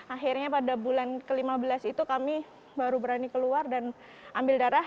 akhirnya pada bulan ke lima belas itu kami baru berani keluar dan ambil darah